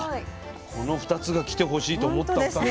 この２つが来てほしいと思った２つが来た。